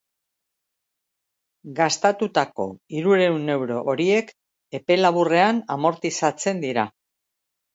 Gastatutako hirurehun euro horiek epe laburrean amortizatzen dira.